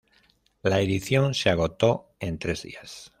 La edición se agotó en tres días.